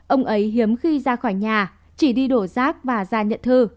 ông ấy hiếm khi ra khỏi nhà chỉ đi đổ rác và ra nhận thư